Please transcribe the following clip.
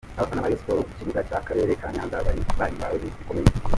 Abafana ba Reyo Siporo ku kibuga cy’akarere ka Nyanza bari bahimbawe bikomeye.